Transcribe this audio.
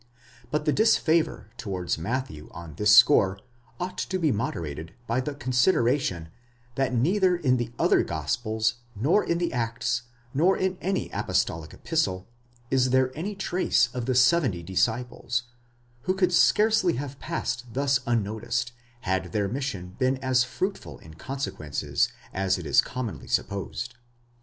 6 But the disfavour towards Matthew on this score ought to be moderated by the con sideration, that neither in the other gospels, nor in the Acts, nor in any apostolic epistle, is there any trace of the seventy disciples, who could scarcely have passed thus unnoticed, had their mission been as fruitful in consequences, as it is commonly supposed.